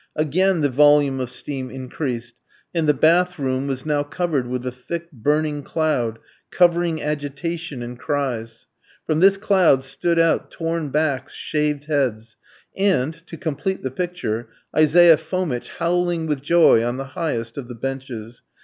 Again the volume of steam increased, and the bath room was now covered with a thick, burning cloud, covering agitation and cries. From this cloud stood out torn backs, shaved heads; and, to complete the picture, Isaiah Fomitch howling with joy on the highest of the benches.